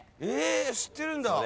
え知ってるんだ。